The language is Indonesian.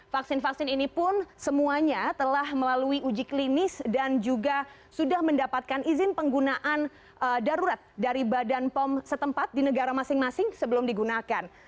vaksin vaksin ini pun semuanya telah melalui uji klinis dan juga sudah mendapatkan izin penggunaan darurat dari badan pom setempat di negara masing masing sebelum digunakan